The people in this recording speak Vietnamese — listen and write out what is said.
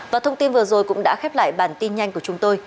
và thông tin vừa rồi cũng đã khép lại bản tin nhanh của chúng tôi